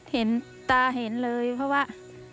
เห็นตาเห็นเลยเพราะว่า